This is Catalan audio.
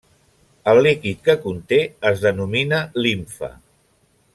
El líquid que conté es denomina limfa.